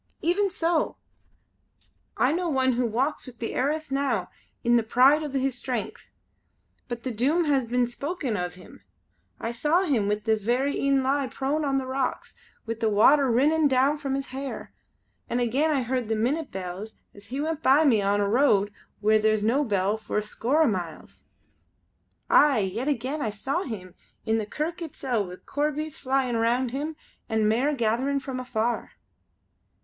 "Even so! I know one who walks the airth now in all the pride o' his strength. But the Doom has been spoken of him. I saw him with these verra een lie prone on rocks, wi' the water rinnin' down from his hair. An' again I heard the minute bells as he went by me on a road where is no bell for a score o' miles. Aye, an' yet again I saw him in the kirk itsel' wi' corbies flyin' round him, an' mair gatherin' from afar!"